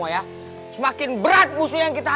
walaupun kamu makinnya lebih tinggi kan